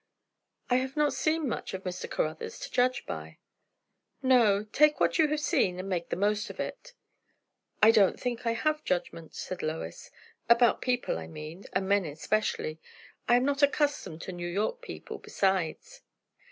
"I have not seen much of Mr. Caruthers to judge by." "No. Take what you have seen and make the most of it." "I don't think I have judgment," said Lois. "About people, I mean, and men especially. I am not accustomed to New York people, besides."